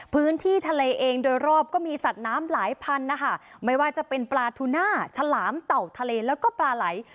พื้นที่ทะเลเองโดยรอบก็มีสัตว์น้ำหลายพันนะคะไม่ว่าจะเป็นปลาทูน่าฉลามเต่าทะเลแล้วก็ปลาไหล